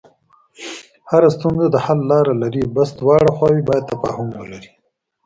هره ستونزه د حل لاره لري، بس دواړه خواوې باید تفاهم ولري.